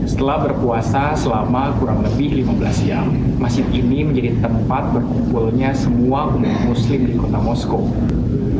setelah berpuasa selama kurang lebih lima belas jam masjid ini menjadi tempat berkumpulnya semua umat muslim di kota moskow